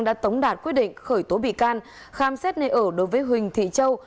đã tống đạt quyết định khởi tố bị can khám xét nơi ở đối với huỳnh thị châu